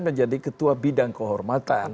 menjadi ketua bidang kehormatan